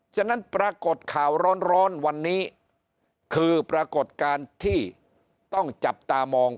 ฉะนั้นปรากฏข่าวร้อนวันนี้คือปรากฏการณ์ที่ต้องจับตามอง